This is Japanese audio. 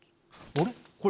あれ？